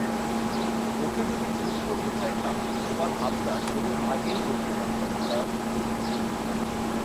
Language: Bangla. ওকে যদি খুন করতে চাইতাম, তোমার ভাবনার বহু আগেই করতে পারতাম, স্যার।